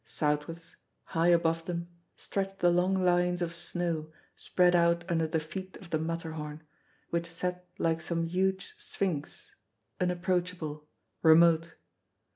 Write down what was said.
Southwards, high above them, stretched the long lines of snow spread out under the feet of the Matterhorn, which sat like some huge sphinx, unapproachable, remote.